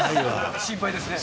心配ですね。